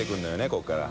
ここから。